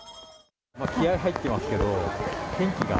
気合い入ってますけど、天気が。